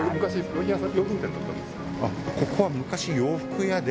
ここは昔洋服屋で。